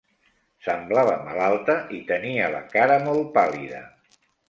Semblava malalta i tenia la cara molt pàl·lida.